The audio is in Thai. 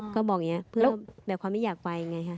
ก็บอกอย่างนี้เพื่อแบบความไม่อยากไปไงค่ะ